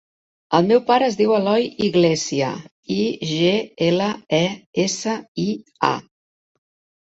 El meu pare es diu Eloi Iglesia: i, ge, ela, e, essa, i, a.